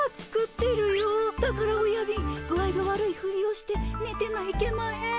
だからおやびん具合が悪いふりをしてねてないけまへん。